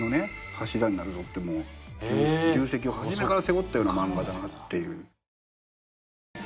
柱になるぞって重責を初めから背負ったような漫画だなっていう。